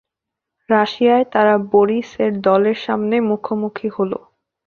রাশিয়ায় তারা বরিস এর দলের সামনে মুখোমুখি হলো।